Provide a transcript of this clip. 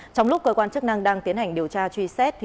trong lúc cơ quan chức năng đang tiến hành điều tra truy xét